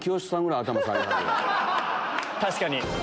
確かに。